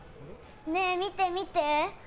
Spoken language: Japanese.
ねえ、見て見て！